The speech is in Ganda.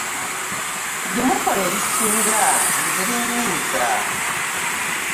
Bye mukola ebisinga nze binnyiiza.